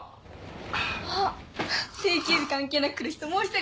あっ定休日関係なく来る人